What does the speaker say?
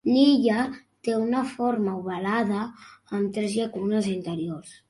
L'illa té una forma ovalada amb tres llacunes interiors.